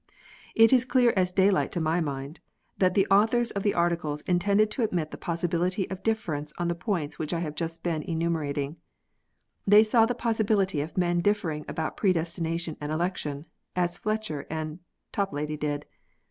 It is clear as daylight to my mind, that the authors of the 1 Articles intended to admit the possibility of difference on the points which I have just been enumerating. They saw the possibility of men differing about predestination and election, as Fletcher and Toplady did.